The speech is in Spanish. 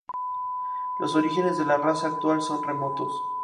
Los orígenes de la raza actual son remotos.